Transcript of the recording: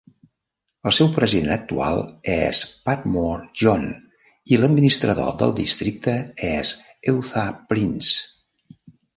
El seu president actual és Padmore John, i l'administrador del districte és Eutha Prince.